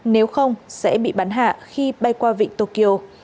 nếu không sẽ bị bắn hạ khi bay qua vịnh tokyo